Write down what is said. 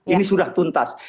ini sudah tuntas